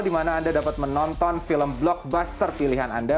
di mana anda dapat menonton film blockbuster pilihan anda